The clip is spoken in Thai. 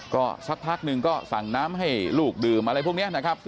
ก็สักพักหนึ่งก็สั่งน้ำให้ลูกดื่มอะไรพวกนี้นะครับ